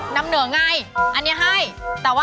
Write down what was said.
ในช่วงนี้เลยแม่